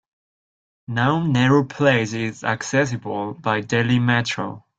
Now Nehru place is accessible by Delhi Metro.